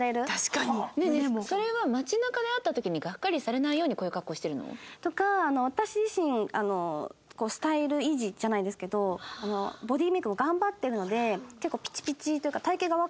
それは街なかで会った時にがっかりされないようにこういう格好してるの？とか私自身スタイル維持じゃないですけどボディーメイクも頑張ってるので結構ピチピチというか。